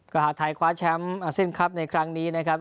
ก็หากไทยคว้าแชมป์อาเซียนคลับในครั้งนี้นะครับ